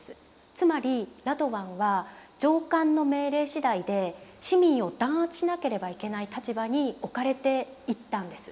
つまりラドワンは上官の命令しだいで市民を弾圧しなければいけない立場に置かれていったんです。